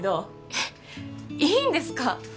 えっいいんですか？